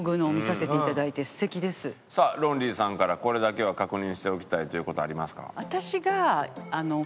さあロンリーさんからこれだけは確認しておきたいという事ありますか？